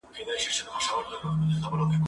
زه به سبزیجات جمع کړي وي،